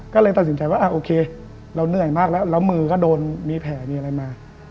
ก็เลยตัดสินใจว่าโอเคเราเหนื่อยมากแล้วแล้วมือก็โดนมีแผลมีอะไรมา